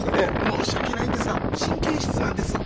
申し訳ないんですが神経質なんです！